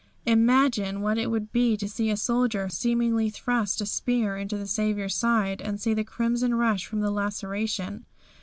Imagine what it would be to see a soldier seemingly thrust a spear into the Saviour's side, and to see the crimson rush from the laceration.